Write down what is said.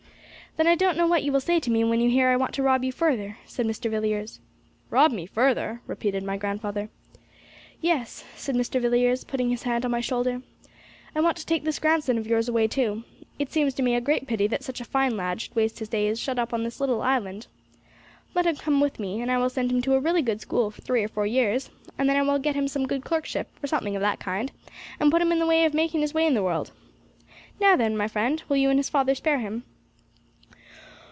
'Then I don't know what you will say to me when you hear I want to rob you further,' said Mr. Villiers. 'Rob me further?' repeated my grandfather. 'Yes,' said Mr. Villiers, putting his hand on my shoulder. 'I want to take this grandson of yours away too. It seems to me a great pity that such a fine lad should waste his days shut up on this little island. Let him come with me, and I will send him to a really good school for three or four years, and then I will get him some good clerkship, or something of that kind, and put him in the way of making his way in the world. Now then, my friend, will you and his father spare him?'